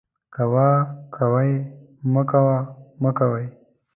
کوه ، کوئ ، مکوه ، مکوئ